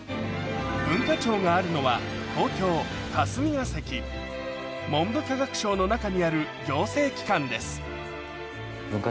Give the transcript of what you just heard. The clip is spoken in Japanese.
文化庁があるのは文部科学省の中にある行政機関です